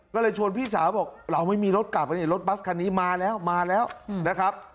ก็เลยชวนพี่สาวบอกเราไม่มีรถกลับอันนี้รถบัสคันนี้มาแล้วมาแล้วนะครับ